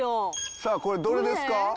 さあこれどれですか？